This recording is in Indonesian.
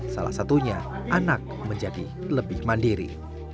salah satunya anak menjadi lebih mandiri